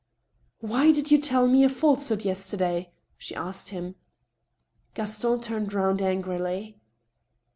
" Why did you tell me a falsehood yesterday ?" she asked him. Gaston turned round angrily.